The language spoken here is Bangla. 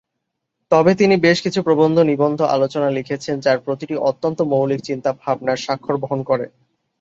তবে তিনি বেশ কিছু প্রবন্ধ-নিবন্ধ-আলোচনা লিখেছিলেন যার প্রতিটি অত্যন্ত মৌলিক চিন্তা-ভাবনার স্বাক্ষর বহন করে।